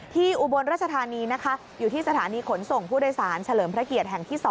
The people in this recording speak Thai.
อุบลราชธานีนะคะอยู่ที่สถานีขนส่งผู้โดยสารเฉลิมพระเกียรติแห่งที่๒